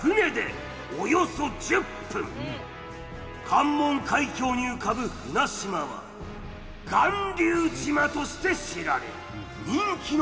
関門海峡に浮かぶ船島は巌流島として知られる人気の観光スポット。